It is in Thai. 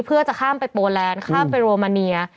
เพื่อจะข้ามไปโปแลนด์ข้ามไปโรมาเนีย